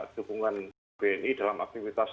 dukungan bni dalam aktivitas